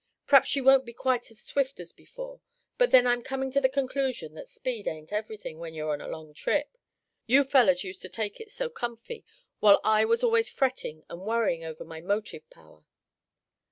P'raps she won't be quite as swift as before, but then I'm coming to the conclusion that speed ain't everything when you're on a long trip. You fellows used to take it so comfy, while I was always fretting, and worrying over my motive power."